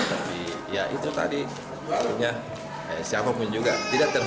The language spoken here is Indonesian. tapi ya itu tadinya siapapun juga